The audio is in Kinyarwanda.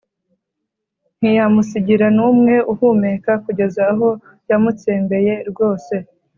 ntiyamusigira n’umwe uhumeka kugeza aho yamutsembeye rwose